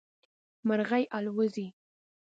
مرغی الوزي